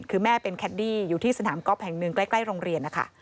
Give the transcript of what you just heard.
คือแม่เป็นแคดดี้อยู่ที่สนามก๊อฟแห่งหนึ่งใกล้โรงเรียนนะคะ